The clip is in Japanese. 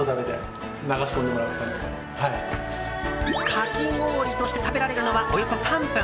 かき氷として食べられるのはおよそ３分。